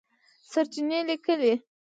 سرچېنې لیکلي